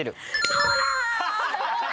そうだ！